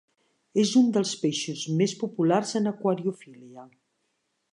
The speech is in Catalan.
És un dels peixos més populars en aquariofília.